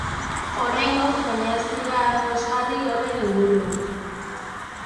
Oraingoz, baina, ez dira ados jarri horren inguruan.